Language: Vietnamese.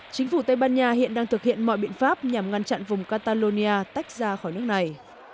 chính phủ tây ban nha hiện đang thực hiện mọi biện pháp nhằm ngăn chặn vùng catalonia tách ra khỏi nước này